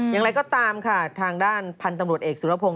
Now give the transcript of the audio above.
อย่างไรก็ตามค่ะทางด้านผันตำรวจเอกสุดท้าย